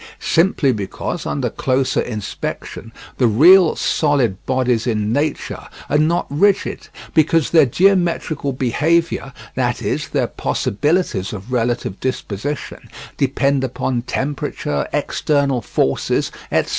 Simply because under closer inspection the real solid bodies in nature are not rigid, because their geometrical behaviour, that is, their possibilities of relative disposition, depend upon temperature, external forces, etc.